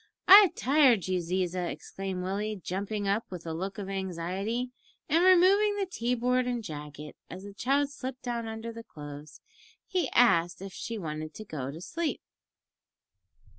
"I've tired you, Ziza," exclaimed Willie, jumping up, with a look of anxiety, and removing the tea board and jacket, as the child slipped down under the clothes. He asked if she wanted to go to sleep.